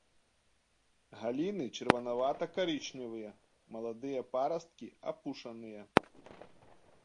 Галіны чырванавата-карычневыя, маладыя парасткі апушаныя.